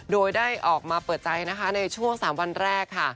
โดยได้ออกมาประกฏใจในช่วง๓วันแรก